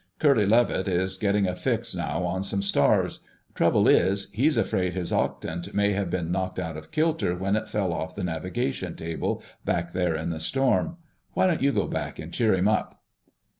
Curly Levitt is getting a fix now on some stars. Trouble is, he's afraid his octant may have been knocked out of kilter when it fell off the navigation table, back there in the storm. Why don't you go back and cheer him up?"